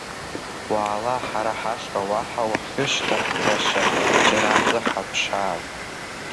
Уаала ҳара ҳашҟа, уаха уахьышьҭаҳҵаша џьара акы ҳаԥшаап.